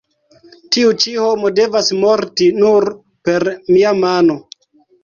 Tiu ĉi homo devas morti nur per mia mano.